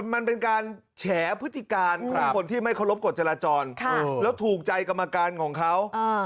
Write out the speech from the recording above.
มันเป็นการแฉพฤติการของคนที่ไม่เคารพกฎจราจรแล้วถูกใจกรรมการของเขา